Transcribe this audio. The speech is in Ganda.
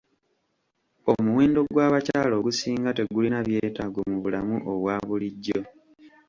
Omuwendo gw'abakyala ogusinga tegulina byetaago mu bulamu obwa bulijjo.